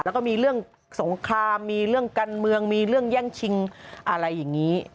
แล้วก็มีเรื่องสงครามมีเรื่องการเมืองมีเรื่องแย่งชิงอะไรอย่างนี้